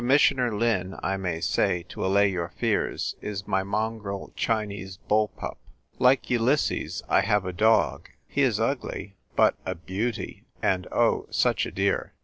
missioner Lin, I may say, to allay your fears, is my mongrel Chinese bull pup. Like Ulys ses, 1 have a dog ; he is ugly, but n; beauty, and, oh, such a dear